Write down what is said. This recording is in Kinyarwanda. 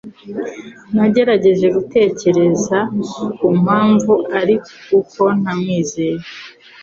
Nagerageje gutekereza ku mpamvu ari uko ntamwizeye.